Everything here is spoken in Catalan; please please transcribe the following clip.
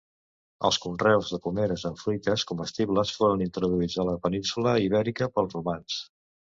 Els conreus de pomeres amb fruites comestibles foren introduïts a la península Ibèrica pels romans.